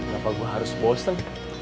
kenapa gue harus bosen